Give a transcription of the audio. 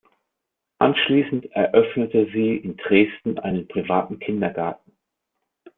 Anschließend eröffnete sie in Dresden einen privaten Kindergarten.